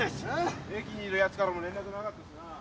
駅にいるやつからも連絡なかったしな。